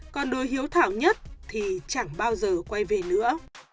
còn đồi hiếu thảo nhất thì chẳng bao giờ quay về nữa